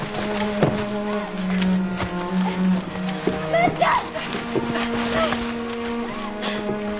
万ちゃん！